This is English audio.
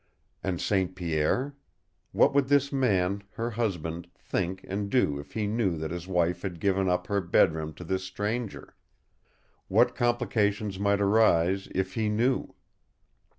And St. Pierre? What would this man, her husband, think and do if he knew that his wife had given up her bedroom to this stranger? What complications might arise IF HE KNEW!